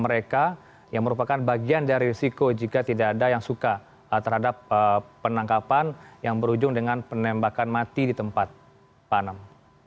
mereka yang merupakan bagian dari risiko jika tidak ada yang suka terhadap penangkapan yang berujung dengan penembakan mati di tempat pak anam